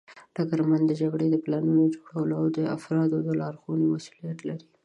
ډګرمن د جګړې د پلانونو جوړولو او د افرادو لارښودلو مسوولیت لري.